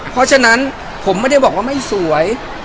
เพราะฉะนั้นผมไม่ได้บอกว่าไม่สวย